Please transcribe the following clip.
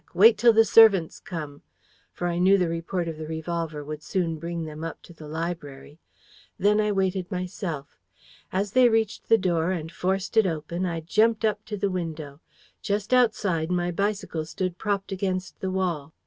Wait till the servants come!' For I knew the report of the revolver would soon bring them up to the library. Then I waited myself. As they reached the door, and forced it open, I jumped up to the window. Just outside, my bicycle stood propped against the wall.